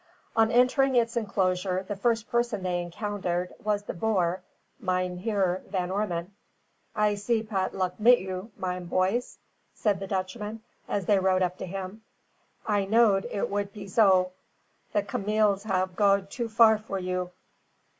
On entering its enclosure the first person they encountered was the boer Mynheer Van Ormon. "I see pat luck mit you, mine poys," said the Dutchman, as they rode up to him. "I knowed it would pe so. The cameels have goed too far for you."